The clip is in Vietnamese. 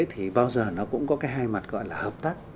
thì bao giờ nó cũng có cái hai mặt gọi là hợp tác